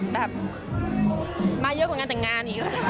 แบบมาเยอะกว่างานแต่งงานอีก